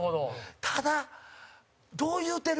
ただ、どう言うてる？